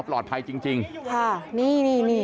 เพื่อนบ้านเจ้าหน้าที่อำรวจกู้ภัย